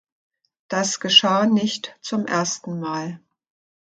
Das geschah nicht zum ersten Mal.